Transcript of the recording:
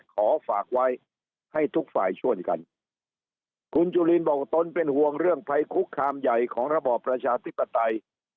ขอฝากไว้ให้ทุกฝ่ายช่วยกันคุณจุลินบอกตนเป็นห่วงเรื่องภัยคุกคามใหญ่ของระบอบประชาธิปไตย